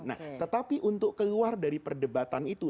nah tetapi untuk keluar dari perdebatan itu